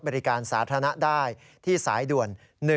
บริการสาธารณะได้ที่สายด่วน๑๒